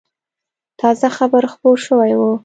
تازه خبر خپور شوی و.